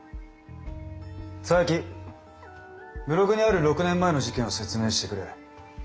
佐伯ブログにある６年前の事件を説明してくれ。